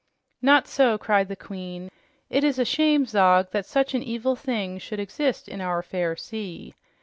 "Not so!" cried the Queen. "It is a shame, Zog, that such an evil thing should exist in our fair sea."